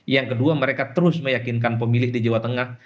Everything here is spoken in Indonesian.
yang kedua mereka terus meyakinkan pemilih di jawa tengah